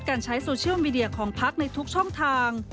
การใช้โซเชียลมีเดียของพักในทุกช่องทาง